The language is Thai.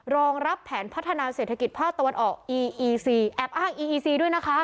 รองรับแผนพัฒนาเศรษฐกิจภาคตะวันออกอีอีซีแอบอ้างอีอีซีด้วยนะคะ